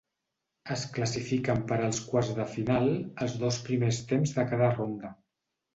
Es classifiquen per als quarts de final els dos primers temps de cada ronda.